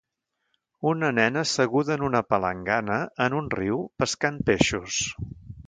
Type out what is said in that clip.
Una nena asseguda en una palangana en un riu pescant peixos.